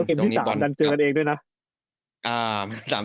แล้วเกมที่๓จะเจอกันเองด้วยนะ